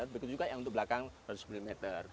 begitu juga yang untuk belakang ratus mm